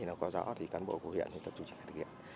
nó có rõ thì cán bộ của huyện thì tập trung trọng để thực hiện